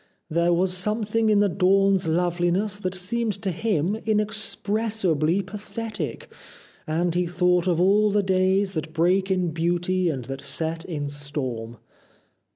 There was something in the dawn's loveliness that seemed to him inexpressibly pathetic, and he thought of all the days that break in beauty and that set in storm."